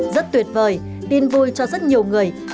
rất tuyệt vời tin vui cho rất nhiều người